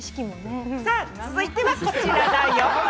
続いてはこちらだよ！